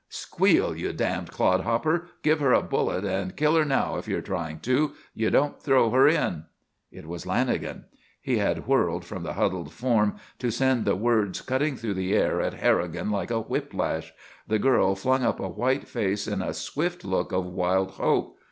"Squeal! You damned clodhopper! Give her a bullet and kill her now if you are trying to! You don't throw her in!" It was Lanagan. He had whirled from the huddled form to send the words cutting through the air at Harrigan like a whiplash. The girl flung up a white face in a swift look of wild hope.